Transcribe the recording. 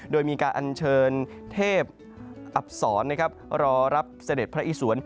โดยมีการอัญเชิญเทพอับศรรอรับเสด็จพระอิสวน